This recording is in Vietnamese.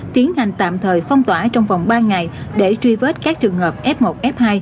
tiến hành tạm thời phong tỏa trong vòng ba ngày để truy vết các trường hợp f một f hai